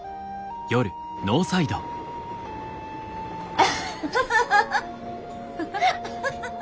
アハハハハハハ！